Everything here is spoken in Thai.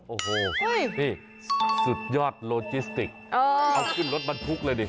โอ้โหนี่สุดยอดโลจิสติกเอาขึ้นรถบรรทุกเลยดิ